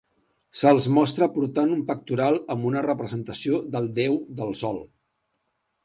Se'l mostra portant un pectoral amb una representació del déu del sol.